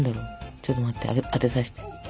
ちょっと待って当てさせて。